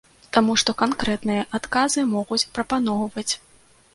Таму што канкрэтныя адказы могуць прапаноўваць.